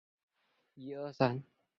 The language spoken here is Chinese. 马克姆位于。